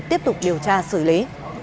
tiếp tục điều tra xử lý